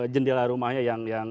jendela rumahnya yang